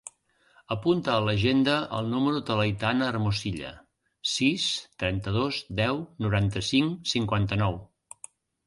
Apunta a l'agenda el número de l'Aitana Hermosilla: sis, trenta-dos, deu, noranta-cinc, cinquanta-nou.